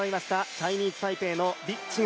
チャイニーズタイペイの李智凱。